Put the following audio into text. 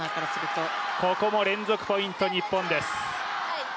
ここも連続ポイント、日本。